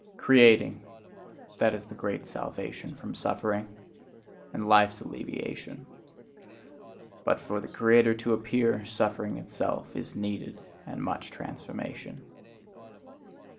Creating that is the great salvation from suffering, and life's alleviation. But for the creator to appear, suffering itself is needed, and much transformation.